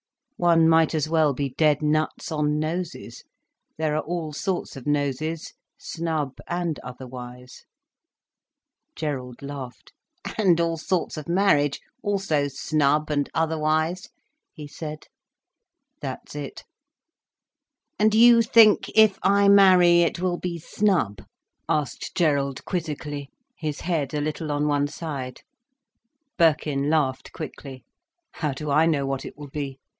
"One might as well be dead nuts on noses. There are all sorts of noses, snub and otherwise—" Gerald laughed. "And all sorts of marriage, also snub and otherwise?" he said. "That's it." "And you think if I marry, it will be snub?" asked Gerald quizzically, his head a little on one side. Birkin laughed quickly. "How do I know what it will be!"